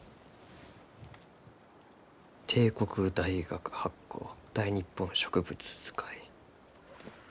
帝国大学発行「大日本植物図解」。